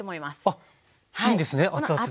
あっいいんですね熱々で。